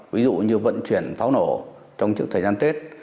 ví dụ như vận chuyển pháo nổ trong thời gian tết